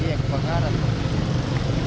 iya kebakaran pak